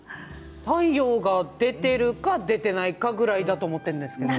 太陽が出ているか出ていないかぐらいだと思ってるんですけど。